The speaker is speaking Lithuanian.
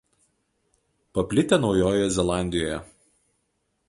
Paplitę Naujojoje Zelandijoje.